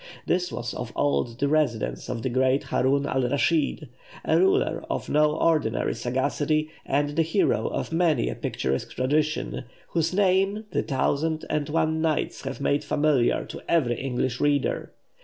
This was of old the residence of the great Haroun al Raschid, a ruler of no ordinary sagacity and the hero of many a picturesque tradition, whose name the "Thousand and One Nights" have made familiar to every English reader.